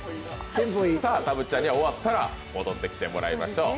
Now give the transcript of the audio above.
たぶっちゃんには、終わったら戻ってきてもらいましょう。